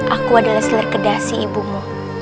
aku adalah selir kedah si ibumu